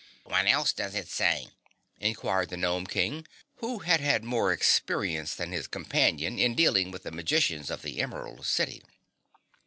'" "What else does it say?" inquired the Gnome King, who had had more experience than his companion in dealing with the magicians of the Emerald City.